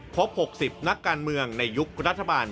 พบ๖๐นักการเมืองในยุครัฐบาล